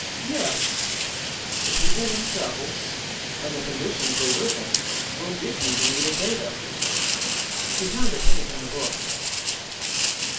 "Yes, the people themselves and the conditions they live in will give you the needed data." He turned a page in the book.